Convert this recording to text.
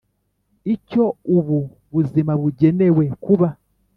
icyo ubu buzima bugenewe kuba.